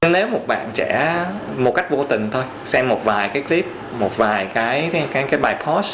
nếu một bạn trẻ một cách vô tình thôi xem một vài cái clip một vài cái bài post